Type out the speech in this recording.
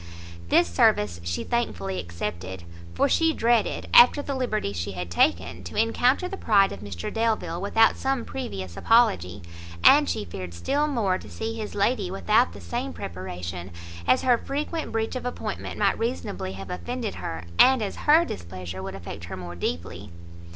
This service she thankfully accepted, for she dreaded, after the liberty she had taken, to encounter the pride of Mr Delvile without some previous apology, and she feared still more to see his lady without the same preparation, as her frequent breach of appointment might reasonably have offended her, and as her displeasure would affect her more deeply.